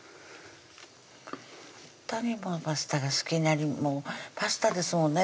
ほんとにパスタが好きなパスタですもんね